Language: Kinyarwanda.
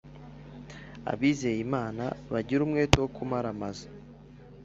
abizeye Imana bagire umwete wo kumaramaza